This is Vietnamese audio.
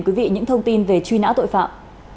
quý vị những thông tin về truy nã tội phạm